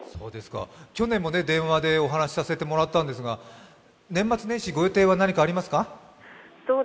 去年も電話でお話させてもらったんですが年末年始、ご予定は何かありますか。